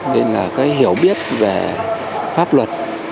nên là cái hiểu biết về pháp luật